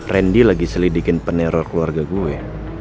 randy lagi selidikin peneror keluarga gue